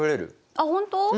あっ本当？